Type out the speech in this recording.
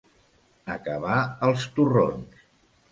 Acabar els torrons.